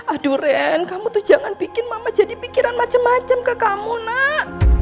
aduh ren kamu tuh jangan bikin mama jadi pikiran macam macam ke kamu nak